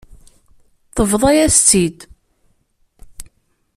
Tebḍa-yas-tt-id.